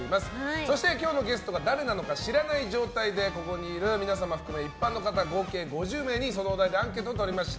そして今日のゲストが誰なのか知らない状態でここにいる皆様含め一般の方合計５０名にそのお題でアンケートをとりました。